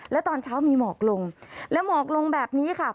แล้วตอนเช้ามีหมอกลงและหมอกลงแบบนี้ค่ะ